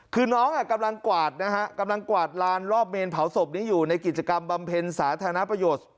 คือน้องกำลังกวาดนะฮะกำลังกวาดลานรอบเมนเผาศพนี้อยู่ในกิจกรรมบำเพ็ญสาธารณประโยชน์